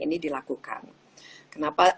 ini dilakukan kenapa